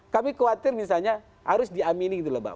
kami khawatir misalnya harus diamini gitu loh bang